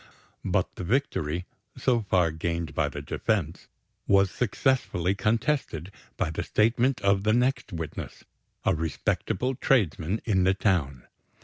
But the victory, so far gained by the defense, was successfully contested by the statement of the next witness, a respectable tradesman in the town.